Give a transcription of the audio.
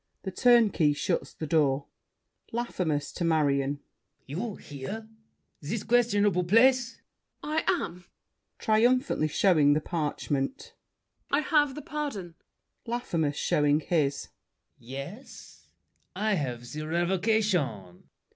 The Turnkey shuts the door. LAFFEMAS (to Marion). You here? This questionable place! MARION. I am. [Triumphantly showing the parchment. I have the pardon! LAFFEMAS (showing his). Yes? I have The revocation!